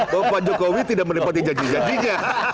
bapak jokowi tidak melepati janji janjinya